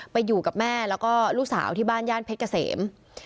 ไปอยู่กับแม่แล้วก็ลูกสาวที่บ้านย่านเพชรเกษม